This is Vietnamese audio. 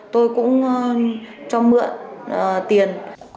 tôi cũng cho mượn tiền